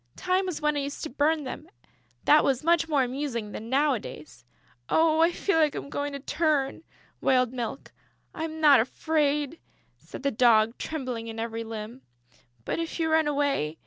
"Time was when I used to burn them; that was much more amusing than nowadays." "Oh, I feel I am going to turn," wailed Milk. "I'm not afraid," said the Dog, trembling in every limb, "but if you run away....